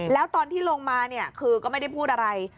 แล้วตอนที่ลงมาเนี่ยคือก็ไม่ได้พูดอะไร